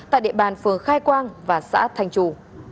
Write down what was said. tại địa bàn phường khai quang và xã thanh chủ